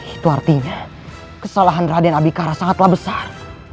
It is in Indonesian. itu artinya kesalahan raden abikara sangatlah besar